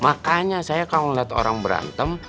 makanya saya kalau melihat orang berantem